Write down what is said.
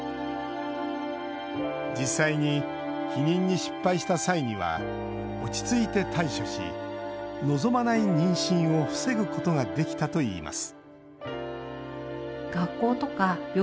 実際に、避妊に失敗した際には落ち着いて対処し望まない妊娠を防ぐことができたといいます